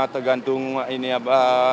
tergantung ini apa